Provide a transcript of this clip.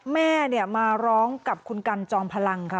แม่มาร้องกับคุณกันจอมพลังค่ะ